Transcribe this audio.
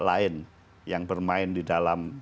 lain yang bermain di dalam